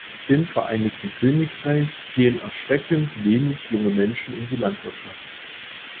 Im Vereinigten Königreich gehen erschreckend wenig junge Menschen in die Landwirtschaft.